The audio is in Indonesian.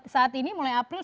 saat ini mulai april